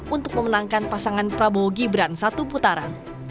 untuk memenangkan pasangan prabowo gibran satu putaran